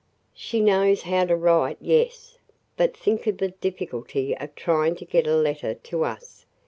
"She knows how to write, yes. But think of the difficulty of trying to get a letter to us.